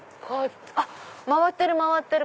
あっ回ってる回ってる！